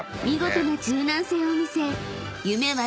［見事な柔軟性を見せ］